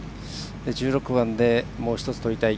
１６番でもう１つとりたい